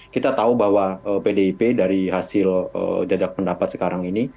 kita tahu bahwa pdip dari hasil jajak pendapat sekarang ini